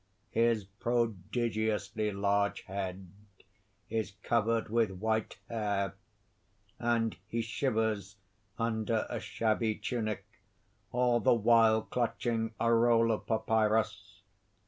His prodigiously large head is covered with white hair; and he shivers under a shabby tunic, all the while clutching a roll of papyrus.